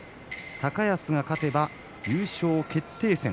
高安が勝てば優勝決定戦。